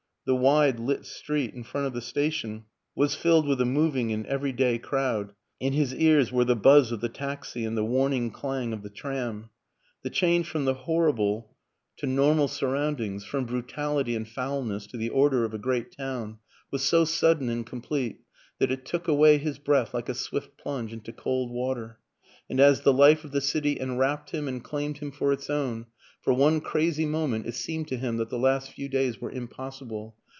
The wide, lit street in front of the station was filled with a moving and everyday crowd, in his ears were the buzz of the taxi and the warning clang of the tram. The change from the horrible to normal 190 WILLIAM AN ENGLISHMAN surroundings from brutality and foulness to the order of a great town was so sudden and complete that it took away his breath like a swift plunge into cold water; and as the life of the city enwrapped him and claimed him for its own, for one crazy moment it seemed to him that the last few days were impossible.